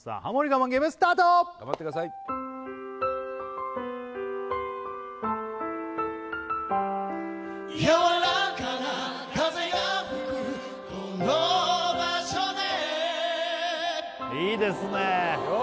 頑張ってくださいいいですねいいよ！